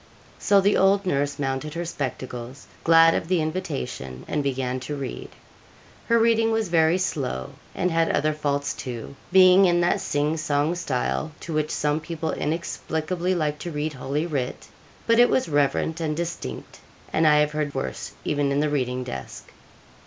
So the old nurse mounted her spectacles, glad of the invitation, and began to read. Her reading was very, slow, and had other faults too, being in that sing song style to which some people inexplicably like to read Holy Writ; but it was reverent and distinct, and I have heard worse even in the reading desk.